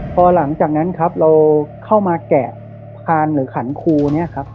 พอหลังจากนั้นครับเราเข้ามาแกะพานหรือขันครูเนี่ยครับ